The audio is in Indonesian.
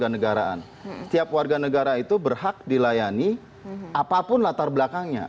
setiap warga negara itu berhak dilayani apapun latar belakangnya